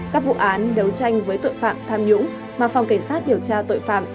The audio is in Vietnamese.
các vụ án đấu tranh với tội phạm tham nhũng mà phòng cảnh sát điều tra tội phạm